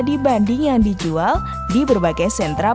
dibanding yang dijual di berbagai sentra